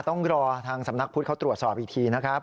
ต้องรอทางสำนักพุทธเขาตรวจสอบอีกทีนะครับ